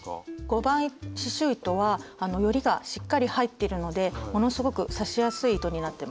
５番刺しゅう糸はよりがしっかり入ってるのでものすごく刺しやすい糸になってます。